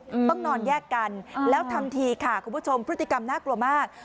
อืมต้องนอนแยกกันแล้วทำทีค่ะคุณผู้ชมพฤติกรรมน่ากลัวมาก